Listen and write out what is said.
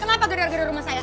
kenapa gerer gerer rumah saya